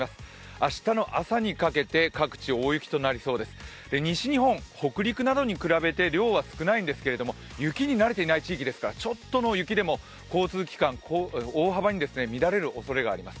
明日の朝にかけて各地大雪となりそうです、西日本、北陸などに比べて量は少ないんですが雪に慣れてない地域ですから、ちょっとの雪でも交通機関、大幅に乱れるおそれがあります。